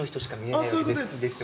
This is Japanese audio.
そういうことです。